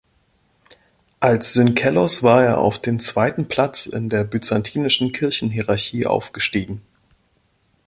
Als Synkellos war er auf den zweiten Platz in der byzantinischen Kirchenhierarchie aufgestiegen.